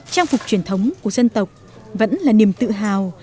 trang phục truyền thống của dân tộc vẫn là niềm tự hào